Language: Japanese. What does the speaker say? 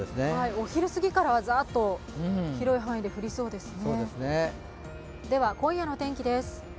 お昼過ぎからはざーっと広い範囲で降りそうですね。